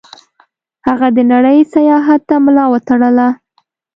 هغه د نړۍ سیاحت ته ملا وتړله.